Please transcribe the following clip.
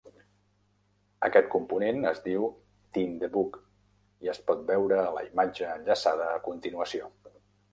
Aquest component es diu thinDebug i es pot veure a la imatge enllaçada a continuació.